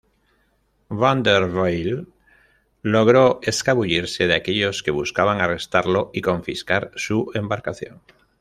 Vanderbilt logró escabullirse de aquellos que buscaban arrestarlo y confiscar su embarcación.